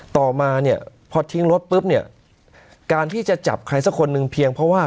ต่อมาเนี่ยพอทิ้งรถปุ๊บเนี่ยการที่จะจับใครสักคนหนึ่งเพียงเพราะว่า